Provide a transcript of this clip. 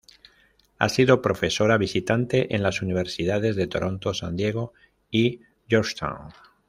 Ha sido profesora visitante en las universidades de Toronto, San Diego y Georgetown.